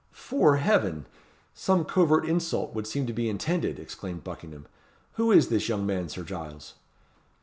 "'Fore heaven! some covert insult would seem to be intended," exclaimed Buckingham. "Who is this young man, Sir Giles?"